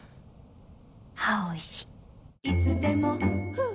あおいしい。